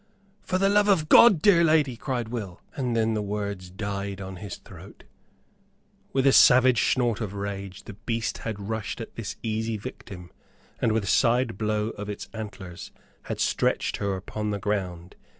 "For the love of God, dear lady " cried Will. And then the words died on his throat. With a savage snort of rage the beast had rushed at this easy victim, and with a side blow of its antlers had stretched her upon the ground.